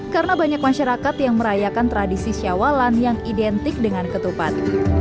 karena banyak masyarakat yang merayakan tradisi syawalan yang identik dengan ketupat